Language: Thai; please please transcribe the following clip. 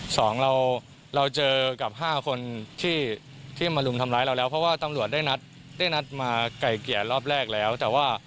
สองเราเจอกับ๕คนที่มาลุมทำร้ายเราแล้วเพราะว่าตำรวจได้นัดมาไก่เกียรติรอบแรกแล้ว